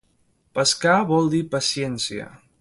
Pescar vol dir paciència.